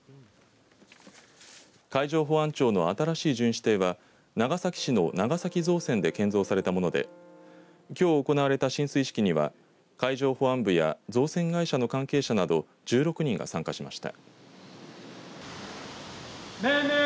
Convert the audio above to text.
海上保安庁の新しい巡視艇は長崎市の長崎造船で建造されたものできょう行われた進水式には海上保安部や造船会社の関係者など１６人が参加しました。